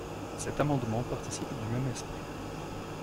Cet amendement participe du même esprit.